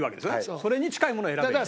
それに近いものを選べばいいと。